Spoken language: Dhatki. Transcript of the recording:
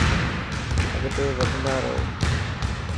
اڳتي وڌندا رهو.